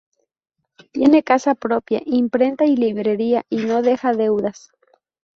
Tiene casa propia, imprenta y librería y no deja deudas.